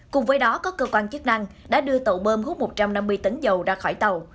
cùng với đó có cơ quan chức năng đã đưa tàu bơm hút một trăm năm mươi tấn dầu ra khỏi tàu